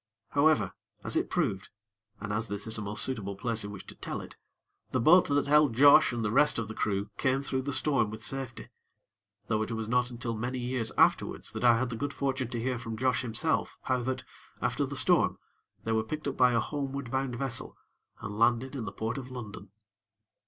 However, as it proved, and as this is a most suitable place in which to tell it, the boat that held Josh and the rest of the crew came through the storm with safety; though it was not until many years afterwards that I had the good fortune to hear from Josh himself how that, after the storm, they were picked up by a homeward bound vessel, and landed in the Port of London.